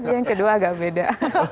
yang kedua agak beda